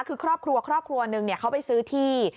คือครอบครัวครอบครัวหนึ่งเขาไปซื้อที่